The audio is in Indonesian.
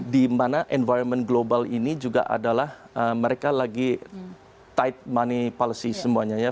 dimana environment global ini juga adalah mereka lagi tight money policy semuanya ya